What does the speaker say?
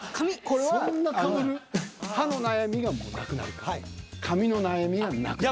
これはあの歯の悩みがもうなくなるか髪の悩みがなくなるか。